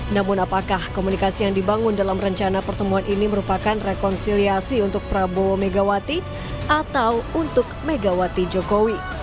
namun apakah komunikasi yang dibangun dalam rencana pertemuan ini merupakan rekonsiliasi untuk prabowo megawati atau untuk megawati jokowi